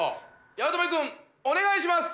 八乙女君お願いします！